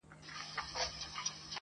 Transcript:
o زور د زورور پاچا، ماته پر سجده پرېووت.